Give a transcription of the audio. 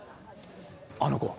あの子は？